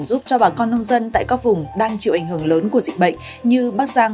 giúp cho bà con nông dân tại các vùng đang chịu ảnh hưởng lớn của dịch bệnh như bắc giang